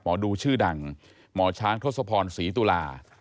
ดูชื่อดังหมอช้างทศพรศรีตุลา